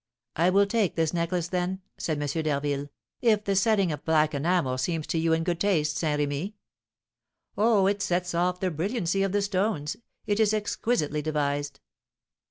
"I will take this necklace, then," said M. d'Harville, "if the setting of black enamel seems to you in good taste, Saint Remy." "Oh, it sets off the brilliancy of the stones; it is exquisitely devised."